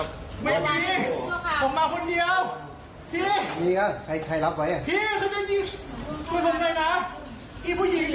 กลิ่นผู้หญิงที่จะมีลูก